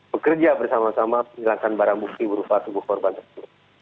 bekerja bersama sama menghilangkan barang bukti berupa tubuh korban tersebut